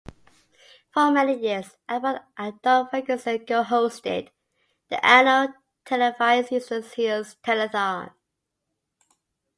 For many years, Abbott and Don Ferguson co-hosted the annual televised Easter Seals Telethon.